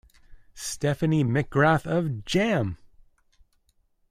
Stephanie McGrath of Jam!